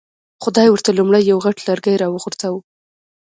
خدای ورته لومړی یو غټ لرګی را وغورځاوه.